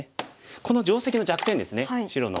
この定石の弱点ですね白の。